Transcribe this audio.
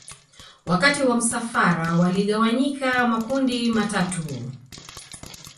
Wakati wa msafara waligawanyika makundi matatu